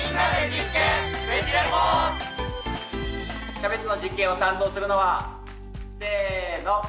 キャベツの実験を担当するのはせの！